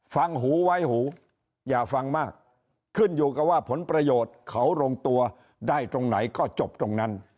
หูไว้หูอย่าฟังมากขึ้นอยู่กับว่าผลประโยชน์เขาลงตัวได้ตรงไหนก็จบตรงนั้น